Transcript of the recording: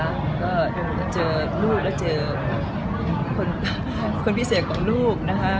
ก็เจอลูกแล้วเจอคนพิเศษของลูกนะคะ